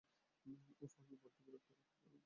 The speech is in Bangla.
উফ, আমি বড্ড বিরক্তিকর ছিলাম।